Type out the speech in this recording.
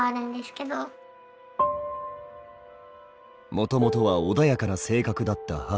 もともとは穏やかな性格だった母。